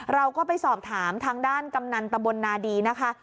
เราก็ไปสอบถามทางด้านกำนันตะบลนาดีนะคะ